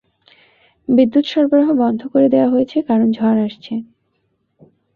বিদ্যুৎ সরবরাহ বন্ধ করে দেয়া হয়েছে কারণ ঝড় আসছে।